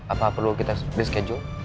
apa perlu kita schedule